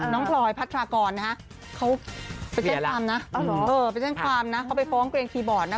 วันพุธ๑๕ธานวาคมนี้นะจ๊ะ